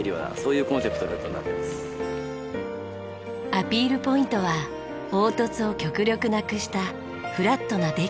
アピールポイントは凹凸を極力なくしたフラットなデッキ。